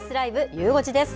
ゆう５時です。